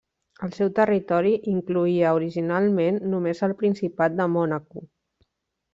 El seu territori incloïa originalment només el principat de Mònaco.